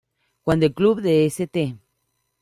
Cuando el club de St.